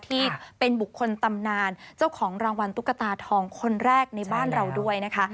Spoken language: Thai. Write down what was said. ที่เป็นบุคคลตำนานเจ้าของรางวัลตุ๊กตาทองคนแรกในบ้านเราด้วยนะคะ